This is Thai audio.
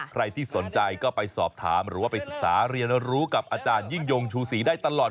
ใครที่สนใจก็ไปสอบถามหรือว่าไปศึกษาเรียนรู้กับอาจารยิ่งยงชูศรีได้ตลอด